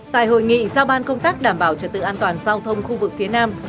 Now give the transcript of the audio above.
tại hội nghị giao ban công tác đảm bảo trật tự an toàn giao thông khu vực phía nam